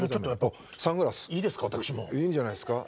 いいんじゃないですか